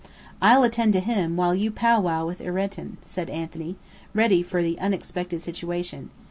"I'll attend to him, while you powwow with Ireton," said Anthony, ready for the unexpected situation.